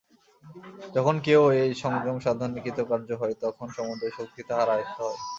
যখন কেহ এই সংযমসাধনে কৃতকার্য হয়, তখন সমুদয় শক্তি তাহার আয়ত্ত হয়।